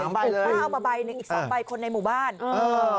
ถูกฟ้าเอามาไบ๑อีก๒ใบคนในหมู่บ้านครับ๓ใบเลย